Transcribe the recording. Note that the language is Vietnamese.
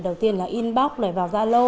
đầu tiên là inbox lại vào zalo